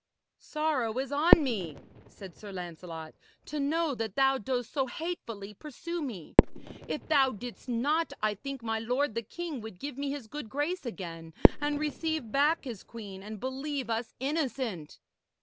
'Sorrow is on me,' said Sir Lancelot, 'to know that thou dost so hatefully pursue me. If thou didst not, I think my lord the king would give me his good grace again, and receive back his queen and believe us innocent.'